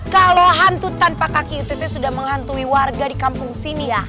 kalau hantu tanpa kaki itu sudah menghantui warga di kampung sini ya